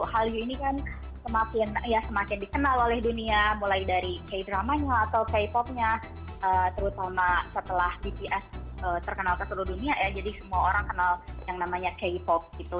hallyu ini kan semakin dikenal oleh dunia mulai dari k dramanya atau k popnya terutama setelah bts terkenal ke seluruh dunia ya jadi semua orang kenal yang namanya k pop gitu